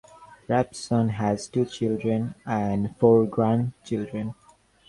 Rapson has two children and four grandchildren.